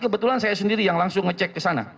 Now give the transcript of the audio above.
kebetulan saya sendiri yang langsung ngecek kesana